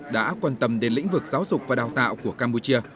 đã quan tâm đến lĩnh vực giáo dục và đào tạo của campuchia